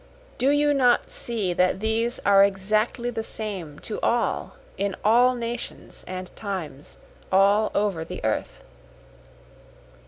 Do you not see that these are exactly the same to all in all nations and times all over the earth?